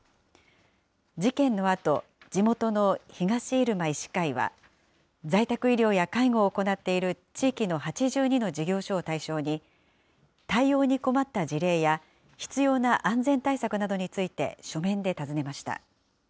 事件のあと、地元の東入間医師会は、在宅医療や介護を行っている地域の８２の事業所を対象に、対応に困った事例や、必要な安全対策などについて、書面で尋ねました。